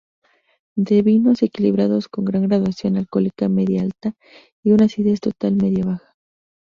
Da vinos equilibrados, con una graduación alcohólica media-alta y una acidez total media-baja.